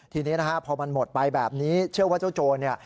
ทีนี้นะฮะพอมันหมดไปแบบนี้เชื่อว่าเจ้าโจรเนี่ย